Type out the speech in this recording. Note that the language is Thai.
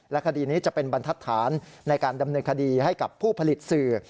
คดีนี้จะเป็นบรรทัศนในการดำเนินคดีให้กับผู้ผลิตสื่อ